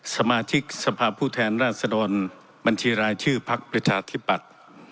สมาชิกสภาพผู้แทนราชดรบัญชีรายชื่อพักประชาธิปัตย์